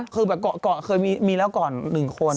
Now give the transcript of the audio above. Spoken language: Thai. คือแบบเกาะเคยมีแล้วก่อน๑คน